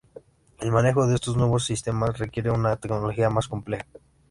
El manejo de estos nuevos sistemas requiere una tecnología más compleja.